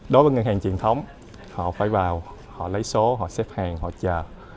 đối với ngân hàng truyền thống họ phải vào họ lấy số họ xếp hàng họ chờ